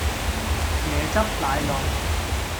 椰汁奶露